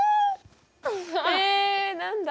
え何だ？